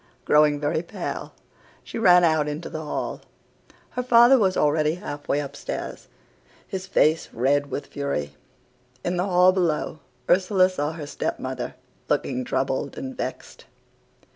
Growing very pale, she ran out into the hall. Her father was already half way upstairs, his face red with fury. In the hall below Ursula saw her step mother, looking troubled and vexed.